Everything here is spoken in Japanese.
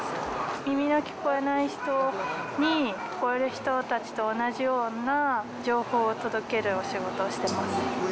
耳の聞こえない人に聞こえる人たちと同じような情報を届けるお仕事をしてます。